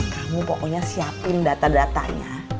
kamu pokoknya siapin data datanya